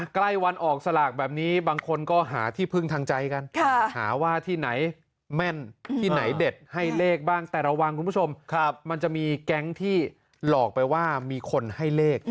ใกล้วันออกสลากแบบนี้บางคนก็หาที่พึ่งทางใจกันหาว่าที่ไหนแม่นที่ไหนเด็ดให้เลขบ้างแต่ระวังคุณผู้ชมมันจะมีแก๊งที่หลอกไปว่ามีคนให้เลข